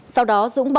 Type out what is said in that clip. sau đó dũng bỏ